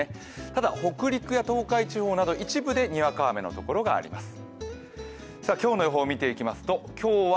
ただ、北陸や東海地方など一部でにわか雨の所があります。